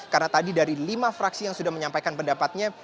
karena tadi dari lima fraksi yang sudah menyampaikan pendapatnya